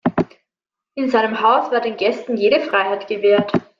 In seinem Haus war den Gästen jede Freiheit gewährt.